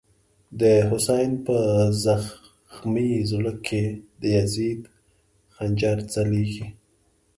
د «حسین» په زغمی زړه کی، د یزید خنجر ځلیږی